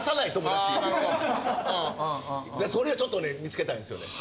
それをちょっと見つけたいんすよね。